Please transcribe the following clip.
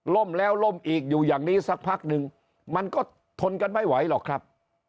แล้วล่มอีกอยู่อย่างนี้สักพักนึงมันก็ทนกันไม่ไหวหรอกครับ